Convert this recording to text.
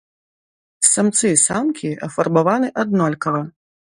Самцы і самкі афарбаваны аднолькава.